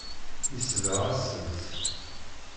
Yesbeɣ-asen-tt.